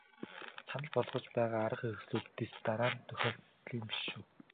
Санал болгож байгаа арга хэрэгслүүдийн дэс дараа нь тохиолдлын биш юм шүү.